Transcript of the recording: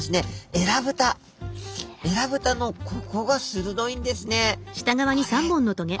えらぶたのここが鋭いんですね。